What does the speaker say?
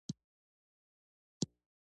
د کابل سیند د افغانستان د انرژۍ سکتور برخه ده.